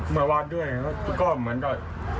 เมื่อวานด้วยก็เหมือนแบบ